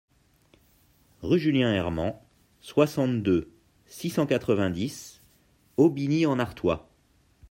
Rue Julien Hermant, soixante-deux, six cent quatre-vingt-dix Aubigny-en-Artois